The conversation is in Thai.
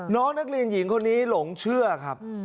น้องนักเรียนหญิงคนนี้หลงเชื่อครับ